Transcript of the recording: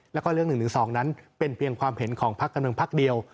แล้วก็เรื่องหนึ่งหนึ่งสองนั้นเป็นเพียงความเห็นของพักกับหนึ่งพักเดียว